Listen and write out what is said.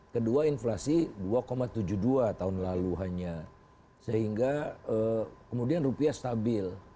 kedua inflasi dua tujuh puluh dua tahun lalu hanya sehingga kemudian rupiah stabil